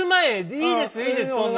いいですいいですそんな。